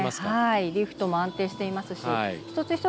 リフトも安定していますし。